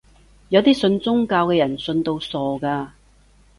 有啲信宗教嘅人信到傻嘅